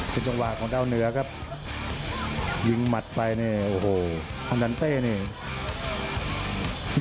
เป็นจังหวะของดาวเหนือครับยิงหมัดไปเนี่ยโอ้โหคอนดันเต้นี่